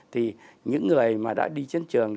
thì những người mà đã đi chiến trường